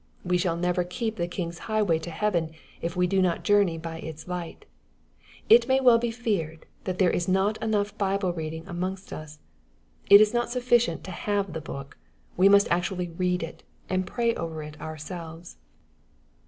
We shall never keep the king's highway to heaven, if we do not journey by its light. — ^It may well be feared, that there is not enough Bible reading amongst us. It is not sufSicient to have the Book. We must actually read it, and pray over it ourselves.